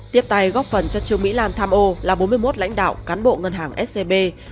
tiếp tay góp phần cho trương mỹ lan tham ô là bốn mươi một lãnh đạo cán bộ ngân hàng scb